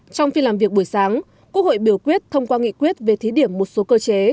trong phiên làm việc buổi sáng quốc hội biểu quyết thông qua nghị quyết về thí điểm một số cơ chế